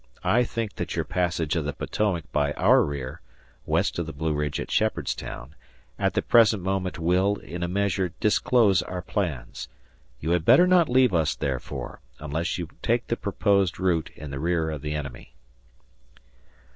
I think that your passage of the Potomac by our rear [west of the Blue Ridge at Shepherdstown] at the present moment will, in a measure, disclose our plans. You had better not leave us, therefore, unless you take the proposed route in the rear of the enemy.